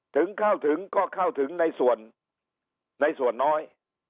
ถึงเข้าถึงก็เข้าถึงในส่วนในส่วนน้อย